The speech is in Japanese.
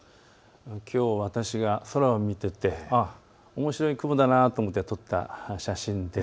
きょう私が空を見ていて面白い雲だなと思って撮った写真です。